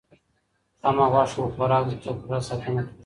کم غوښه خوراک د چاپیریال ساتنه کوي.